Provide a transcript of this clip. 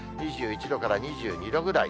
２１度から２２度ぐらい。